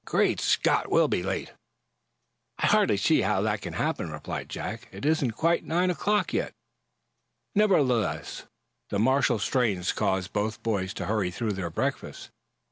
"Great Scott! We'll be late." "I hardly see how that can happen," replied Jack. "It isn't quite nine o'clock yet." Nevertheless, the martial strains caused both boys to hurry through their breakfast.